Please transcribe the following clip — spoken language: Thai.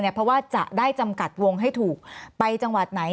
เพราะว่าจะได้จำกัดวงให้ถูกไปจังหวัดไหน